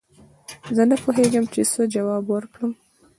زه نه پوهېږم چې څه جواب ورکړم